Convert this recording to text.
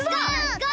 ゴー！